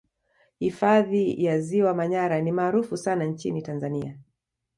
Hifadhi ya Ziwa Manyara ni maarufu sana nchini Tanzania